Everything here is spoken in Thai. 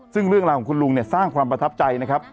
ซึ่งเรื่องราวของคุณลุงเนี่ยสร้างความประทับใจนะครับ